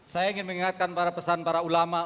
saya ingin mengingatkan para pesan para ulama